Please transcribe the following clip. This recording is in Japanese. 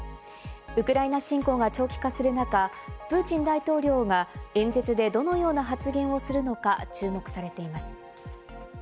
ウクライナ侵攻が長期化する中、プーチン大統領が演説でどのような発言をするのか注目されています。